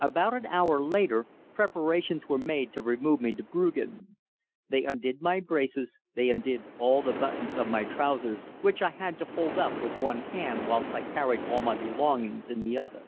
About an hour later, preparations were made to remove me to Brüggen. They undid my braces they undid all the buttons of my trousers, which I had to hold up with one hand whilst I carried all my belongings in the other.